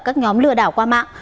các nhóm lừa đảo qua mạng